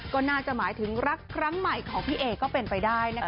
ก็น่าจะหมายถึงรักครั้งใหม่ของพี่เอก็เป็นไปได้นะคะ